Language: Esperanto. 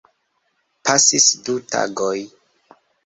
Pasis du tagoj.